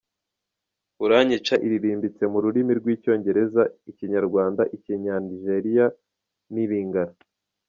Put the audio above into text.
Uranyica’ iririmbitse mu rurimi rw’Icyongereza, Ikinyarwanda, Ikinya-Nigeria n’Ilingala.